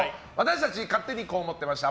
勝手にこう思ってました！